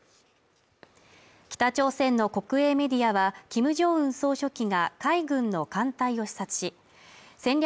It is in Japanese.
北朝鮮の国営メディアはキム・ジョンウン総書記が海軍の艦隊を視察し戦略